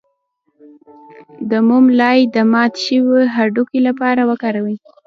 د موم لایی د مات شوي هډوکي لپاره وکاروئ